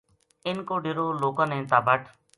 اِنھ کو ڈیرو لوکاں نے تابٹ